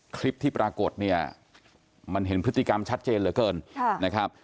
คลิปที่ปรากฏเนี่ยมันเห็นพฤติกรรมชัดเจนเหลือเกินนะครับ